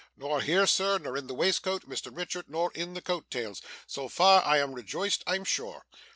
Nor here, sir. Nor in the waistcoat, Mr Richard, nor in the coat tails. So far, I am rejoiced, I am sure.